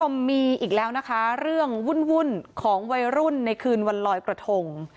คุณผู้ชมมีอีกแล้วนะคะเรื่องวุ่นของวัยรุ่นในคืนวันลอยกระทง